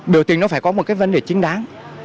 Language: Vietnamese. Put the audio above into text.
biểu tình nó phải có một cái vấn đề chính đáng